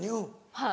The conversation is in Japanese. はい。